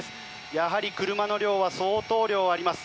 やはり車の量は相当量あります。